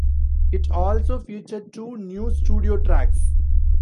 It also featured two new studio tracks.